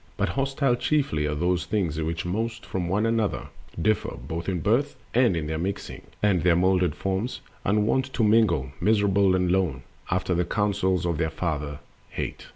But hostile chiefly are those things which most From one another differ, both in birth, And in their mixing and their molded forms— Unwont to mingle, miserable and lone, After the counsels of their father, Hate.